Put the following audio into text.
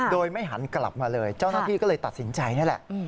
โดยไม่หันกลับมาเลยเจ้าหน้าที่ก็เลยตัดสินใจนี่แหละ